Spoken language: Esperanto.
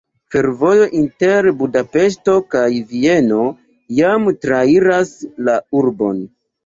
Fervojo inter Budapeŝto kaj Vieno jam trairas la urbon.